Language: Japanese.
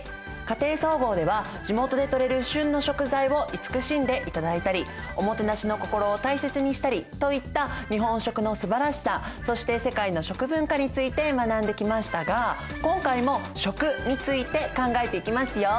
「家庭総合」では地元で採れる旬の食材を慈しんで頂いたりおもてなしの心を大切にしたりといった日本食のすばらしさそして世界の食文化について学んできましたが今回も食について考えていきますよ！